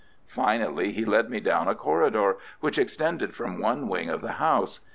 Finally he led me down a corridor which extended from one wing of the house.